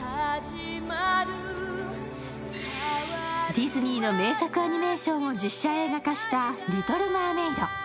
ディズニーの名作アニメーションを実写映画化した「リトル・マーメイド」。